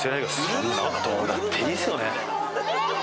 そんなんどうだっていいですよね